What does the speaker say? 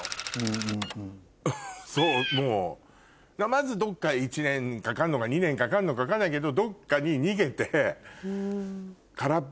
まずどっか１年かかるのか２年かかるのか分かんないけど。